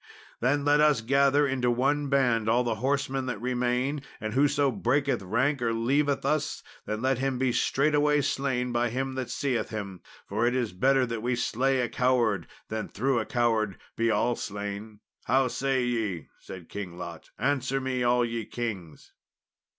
Then let us gather into one band all the horsemen that remain, and whoso breaketh rank or leaveth us, let him be straightway slain by him that seeth him, for it is better that we slay a coward than through a coward be all slain. How say ye?" said King Lot; "answer me, all ye kings."